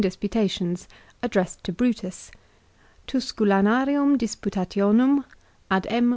353 Disputations, addressed to Brutus. " Tusculanarum Disputati onum, ad M.